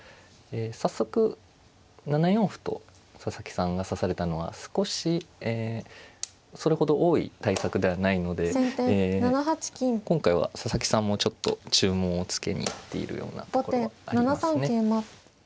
早速７四歩と佐々木さんが指されたのは少しえそれほど多い対策ではないので今回は佐々木さんもちょっと注文をつけに行っているようなところはありますね。